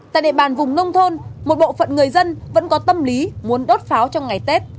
tại địa bàn vùng nông thôn một bộ phận người dân vẫn có tâm lý muốn đốt pháo trong ngày tết